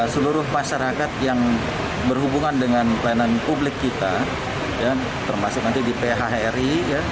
seluruh masyarakat yang berhubungan dengan pelayanan publik kita termasuk nanti di phri